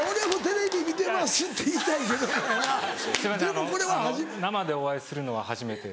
あの生でお会いするのは初めて。